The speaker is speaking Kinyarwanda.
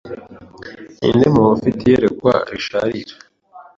Ninde muntu ufite iyerekwa risharira